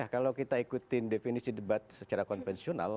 kalau kita ikutin definisi debat secara konvensional